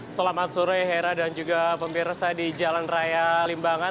selamat sore hera dan juga pemirsa di jalan raya limbangan